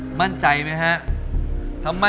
กิเลนพยองครับ